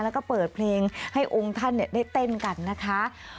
แล้วก็เปิดเพลงให้องค์ท่านได้เต้นกันนะคะ